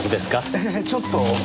ええちょっと。